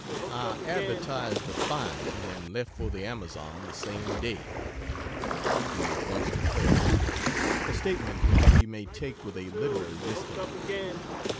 "I advertised the find and left for the Amazon the same day," he once declared, a statement which we may take with a literary discount.